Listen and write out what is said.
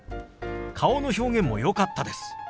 顔の表現もよかったです。